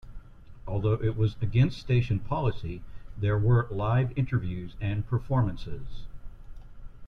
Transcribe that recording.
Although it was against station policy, there were live interviews and performances.